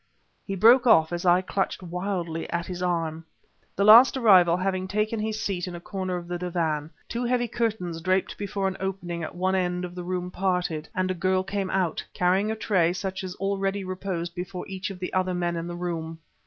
..." He broke off, as I clutched wildly at his arm. The last arrival having taken his seat in a corner of the divan, two heavy curtains draped before an opening at one end of the room parted, and a girl came out, carrying a tray such as already reposed before each of the other men in the room.